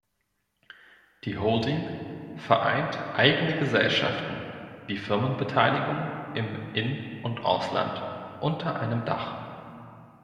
Die Holding vereint eigene Gesellschaften wie Firmenbeteiligungen im In- und Ausland unter einem Dach.